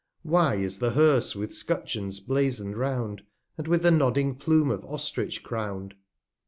230 Why is the Herse with 'Scutcheons blazon'd round, And with the nodding Plume of Ostrich crown'd?